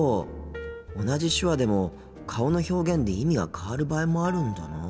同じ手話でも顔の表現で意味が変わる場合もあるんだなあ。